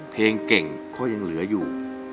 เพลงเก่งก็ยังเหลืออยู่